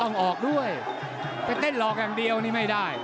ออกด้วยไปเต้นหลอกอย่างเดียวนี่ไม่ได้